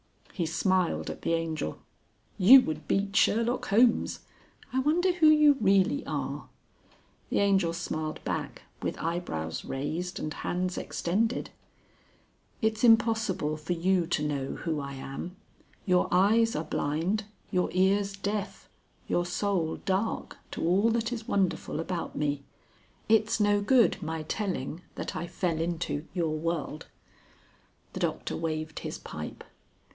He smiled at the Angel. "You would beat Sherlock Holmes. I wonder who you really are." The Angel smiled back, with eyebrows raised and hands extended. "It's impossible for you to know who I am. Your eyes are blind, your ears deaf, your soul dark, to all that is wonderful about me. It's no good my telling that I fell into your world." The Doctor waved his pipe.